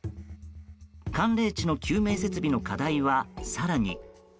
寒冷地の救命設備の課題は更に。